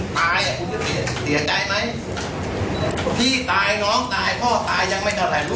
พี่มาเรียนโรงเรียนต่างหากมาเรียนโรงเรียนเตรียมต่างหากเนี่ย